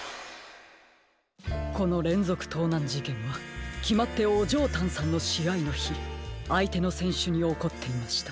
このれんぞくとうなんじけんはきまってオジョータンさんのしあいのひあいてのせんしゅにおこっていました。